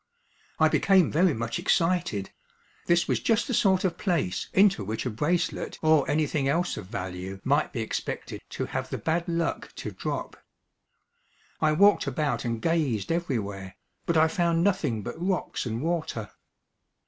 I became very much excited; this was just the sort of place into which a bracelet or anything else of value might be expected to have the bad luck to drop. I walked about and gazed everywhere, but I found nothing but rocks and water.